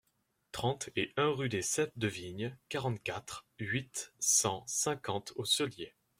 trente et un rue des Ceps de Vignes, quarante-quatre, huit cent cinquante au Cellier